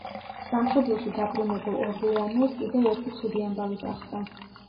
სამშობლოში დაბრუნებულ ორლეანელს კიდევ ერთი ცუდი ამბავი დახვდა.